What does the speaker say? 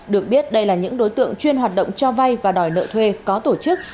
được biết đây là những đối tượng chuyên hoạt động cho vay và đòi nợ thuê có tổ chức